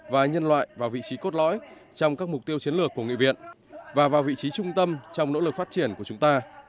và nhân loại vào vị trí cốt lõi trong các mục tiêu chiến lược của nghị viện và vào vị trí trung tâm trong nỗ lực phát triển của chúng ta